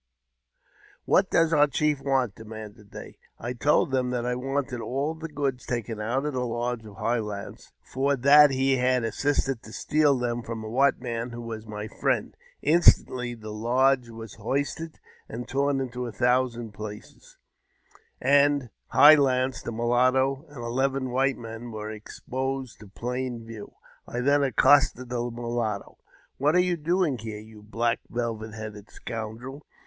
" What does our chief want? " demanded they. I told them that I wanted all the goods taken out of the lodge of High Lance, for that he had assisted to steal them from a white man, who was my friend. Instantly the lodge was hoisted, and torn into a thousand pieces, and High Lance, the mulatto, and eleven white men, were exposed to plain view. I then accosted the mulatto :" What are you doing here, you black velvet headed scoundrel?